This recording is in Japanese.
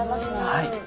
はい。